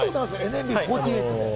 ＮＭＢ４８。